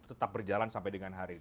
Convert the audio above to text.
tetap berjalan sampai dengan hari ini